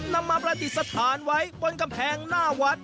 นำมาประติศาสตร์ไว้บนกำแพงหน้าวัด